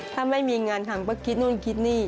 ถ้าไม่มีงานทำก็คิดนู่นคิดนี่